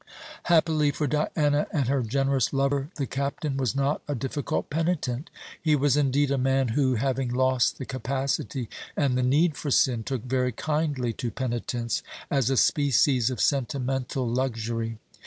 Happily for Diana and her generous lover, the Captain was not a difficult penitent. He was indeed a man who, having lost the capacity and the need for sin, took very kindly to penitence, as a species of sentimental luxury.